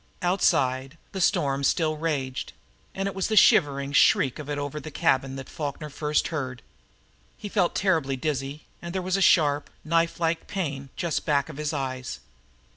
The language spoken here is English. Outside, the storm still raged, and it was the shivering shriek of it over the cabin that Falkner first heard. He felt terribly dizzy, and there was a sharp, knife like pain just back of his eyes.